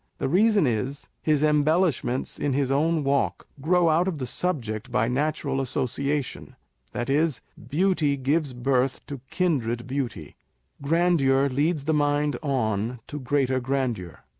The reason is, his embellishments in his own walk grow out of the subject by natural association ; that is, beauty gives birth to kindred beauty, grandeur leads the mind on to greater grandeur.